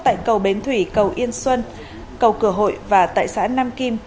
tại cầu bến thủy cầu yên xuân cầu cửa hội và tại xã nam kim